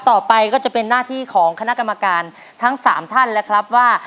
ต่อไปก็จะเป็นหน้าที่ของคณะกรรมการทั้ง๓ท่านแล้วครับว่า